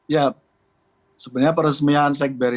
ya sebenarnya peresmian sekber ini